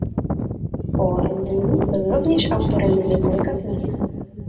Paul Andreu byl rovněž autorem několika knih.